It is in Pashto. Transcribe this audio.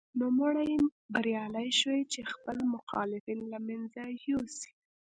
نوموړی بریالی شو چې خپل مخالفین له منځه یوسي.